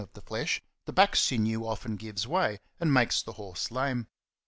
of the flesh, the back sinew ^ often gives way, and makes the horse lame.